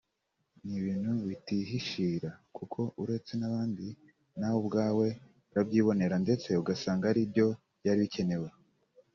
ni ibintu bitihishira kuko uretse n’abandi nawe ubwawe urabyibonera ndetse ugasanga ari byo byari bikenewe